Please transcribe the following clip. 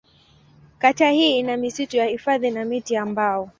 Kata hii ina misitu ya hifadhi na miti ya mbao.